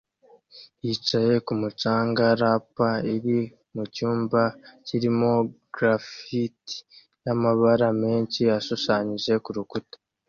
yicaye kumu canga ramp iri mucyumba kirimo graffti y'amabara menshi ashushanyije kurukuta